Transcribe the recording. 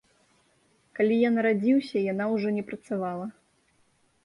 Калі я нарадзіўся, яна ўжо не працавала.